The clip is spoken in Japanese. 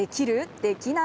できない？